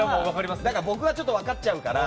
だから僕は分かっちゃうから